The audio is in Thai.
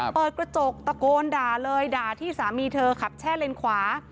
เปิดกระจกตะโกนด่าเลยด่าที่สามีเธอขับแช่เลนขวา